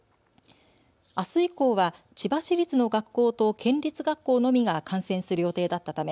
あす以降は千葉市立の学校と県立学校のみが観戦する予定だったため、